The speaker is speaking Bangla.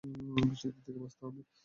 বৃষ্টি থেকে বাঁচতে পারবে।